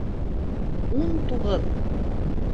Ун туғыҙ